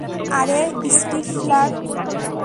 আরে, স্টিফলার।